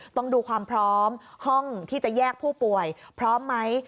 ต้องดูความพร้อมห้องที่จะแยกผู้ป่วยพร้อมไหม